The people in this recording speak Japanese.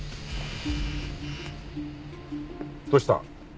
どうした？